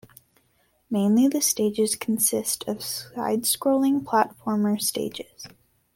Mainly the stages consist of side-scrolling platformer stages.